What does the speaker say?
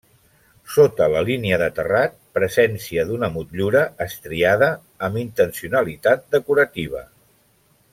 Sota la línia de terrat, presència d'una motllura estriada amb intencionalitat decorativa.